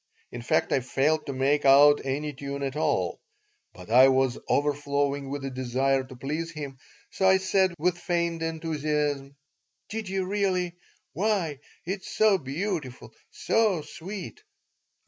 In fact, I failed to make out any tune at all, but I was overflowing with a desire to please him, so I said, with feigned enthusiasm: "Did you really? Why, it's so beautiful, so sweet!"